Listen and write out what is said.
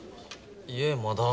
いえまだ。